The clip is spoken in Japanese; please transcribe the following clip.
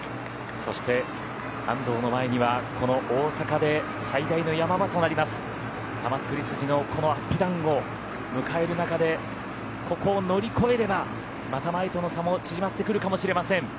そして、安藤の前にはこの大阪で最大の山場となります玉造筋のこのアップダウンを迎える中でここを乗り越えればまた前との差も縮まってくるかもしれません。